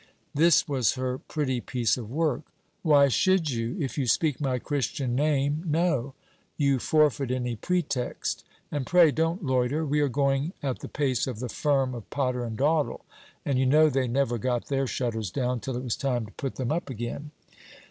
This was her pretty piece of work! 'Why should you? If you speak my Christian name, no: you forfeit any pretext. And pray, don't loiter. We are going at the pace of the firm of Potter and Dawdle, and you know they never got their shutters down till it was time to put them up again.'